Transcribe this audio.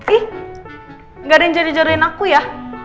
ih gak ada yang jadi jodohin aku ya